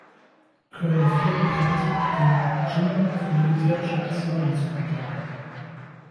Colonel Flag plant, den Djinn für militärische Aktionen zu gebrauchen.